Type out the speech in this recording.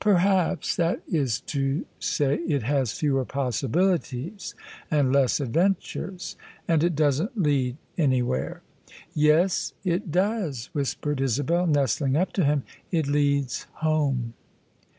''Perhaps: that is to say it has fewer possibilities and less adventures." "And it doesn't lead anywhere." " Yes, it does," whispered Isabel, nestling up to him :" it leads home."